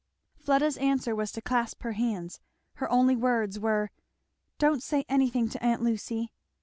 Fleda's answer was to clasp her hands. Her only words were, "Don't say anything to aunt Lucy."